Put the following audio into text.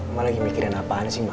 ma lagi mikirin apaan sih ma